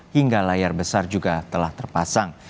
hingga layar besar juga telah terpasang